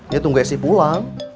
ya tunggu esi pulang